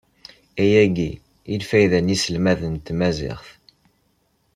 Ayagi i lfayda n yiselmaden n tmaziɣt.